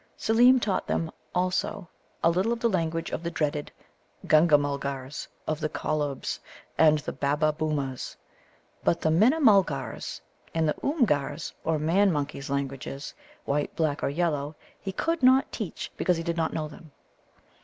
Seelem taught them also a little of the languages of the dreaded Gunga mulgars, of the Collobs, and the Babbabōōmas. But the Minimul mulgars' and the Oomgars' or man monkeys' languages (white, black, or yellow) he could not teach, because he did not know them.